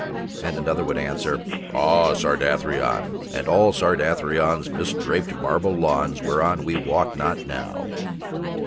and another would answer "Ah! Sardathrion, and all Sardathrion's mist draped marble lawns whereon we walk not now."